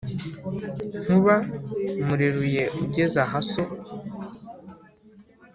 nkuba mureruye ugeze aha so.